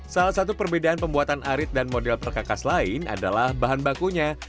salah satu perbedaan pembuatan arit dan model perkakas lain adalah bahan bakunya